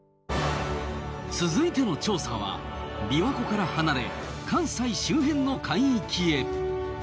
続いての調査はびわ湖から離れ関西周辺の海域へ。